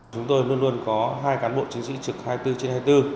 chúng tôi luôn luôn có hai cán bộ chính trị trực hai mươi bốn trên hai mươi bốn